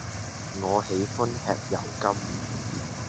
我喜歡吃油柑